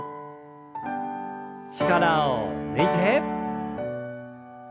力を抜いて。